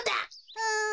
うん。